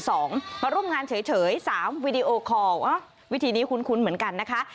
มาร่วมงานเฉย๓วีดีโอคอลวิธีนี้คุ้นเหมือนกันนะคะ